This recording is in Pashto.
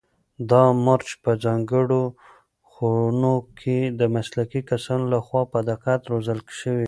دا مرچ په ځانګړو خونو کې د مسلکي کسانو لخوا په دقت روزل شوي.